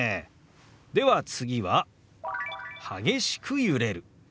では次は「激しく揺れる」。